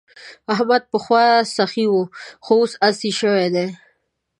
احمد پخوا سخي وو خو اوس اسي شوی دی.